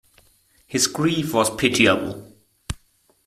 His grief was pitiable.